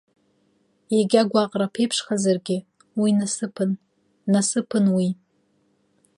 Егьа гәаҟра аԥеиԥшхазаргьы, уи насыԥын, насыԥын уи.